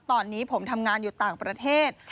ตอนนี้ผมทำงานอยู่ต่างประเทศ